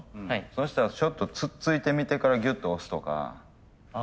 そしたらちょっとつっついてみてからギュッと押すとか。